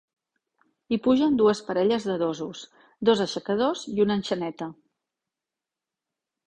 Hi pugen dues parelles de dosos, dos aixecadors i un enxaneta.